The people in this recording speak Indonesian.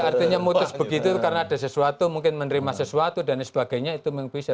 artinya mutus begitu karena ada sesuatu mungkin menerima sesuatu dan sebagainya itu memang bisa